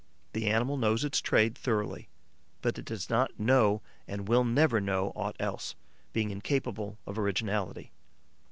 The animal knows its trade thoroughly, but it does not know and will never know aught else, being incapable of originality.